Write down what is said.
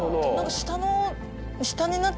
下の。